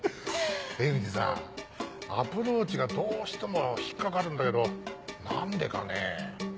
エミリさんアプローチがどうしても引っ掛かるんだけど何でかね？